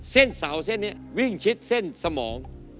เส้นเสาเส้นนี้วิ่งชิดเส้นสมอง